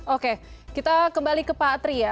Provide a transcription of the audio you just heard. oke kita kembali ke pak atri ya